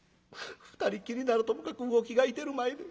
２人きりならともかく魚喜がいてる前で。